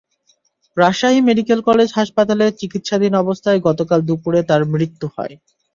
Rajshahi medical college হাসপাতালে চিকিৎসাধীন অবস্থায় গতকাল দুপুরে তাঁর মৃত্যু হয়।